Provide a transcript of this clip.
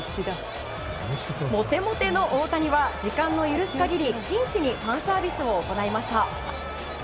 モテモテの大谷は時間の許す限り真摯にファンサービスを行いました。